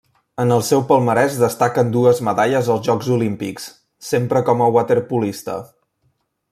En el seu palmarès destaquen dues medalles als Jocs Olímpics, sempre com a waterpolista.